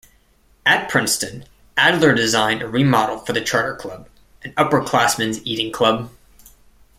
At Princeton, Adler designed a remodel for the Charter Club, an upperclassmen's eating club.